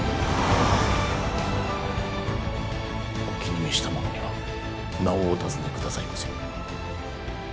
お気に召した者には名をお尋ね下さいませ。